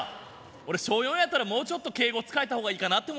俺小４やったらもうちょっと敬語使えたほうがいいかなって思ったけど。